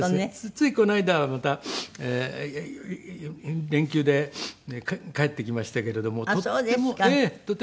ついこの間はまた連休で帰ってきましたけれども。